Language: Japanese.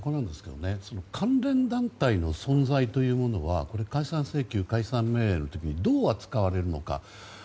その関連団体の存在というものは解散請求、解散命令の時にどう扱われるのか。